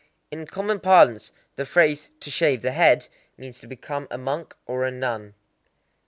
In common parlance the phrase "to shave the head" means to become a monk or a nun.